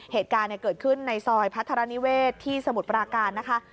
เหตุการณ์เกิดขึ้นในซอยพัฒนานิเวศที่สมุทรปราการนะคะ